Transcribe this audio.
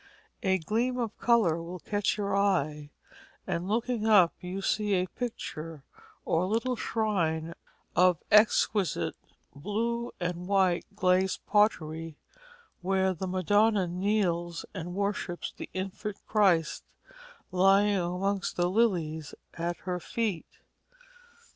A gleam of colour will catch your eye, and looking up you see a picture or little shrine of exquisite blue and white glazed pottery, where the Madonna kneels and worships the Infant Christ lying amongst the lilies at her feet.